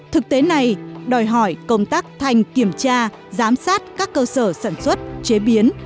thực tế này đòi hỏi công tác thành kiểm tra giám sát các cơ sở sản xuất chế biến